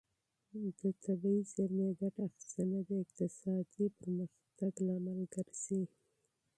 د طبیعي زېرمې ګټه اخیستنه د اقتصادي ودې سبب ګرځي.